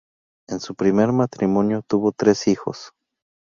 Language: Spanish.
En su primer matrimonio tuvo tres hijos.